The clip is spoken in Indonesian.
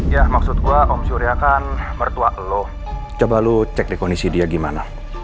ya maksudku om surya kan mertua lo coba lo cek deh kondisi dia gimana